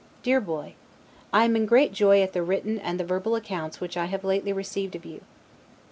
DEAR BOY: I am in great joy at the written and the verbal accounts which I have received lately of you.